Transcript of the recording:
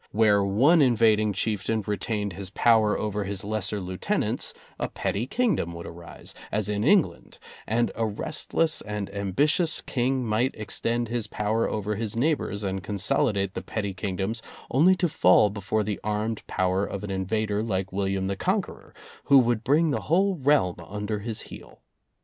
Where one invading chieftain retained his power over his lesser lieu tenants, a petty kingdom would arise, as in England, and a restless and ambitious king might extend his power over his neighbors and consoli date the petty kingdoms only to fall before the armed power of an invader like William the Con queror, who would bring the whole realm under his heel.